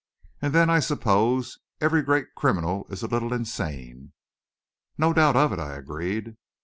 And then, I suppose, every great criminal is a little insane." "No doubt of it," I agreed.